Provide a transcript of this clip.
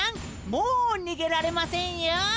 もうにげられませんよ。